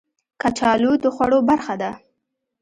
کچالو د خوړو برخه ده